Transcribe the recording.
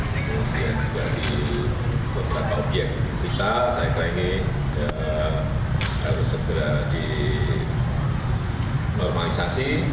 dan juga di beberapa objek kita saya keringin harus segera dinormalisasi